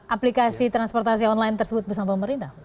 aplikasi transportasi online tersebut bersama pemerintah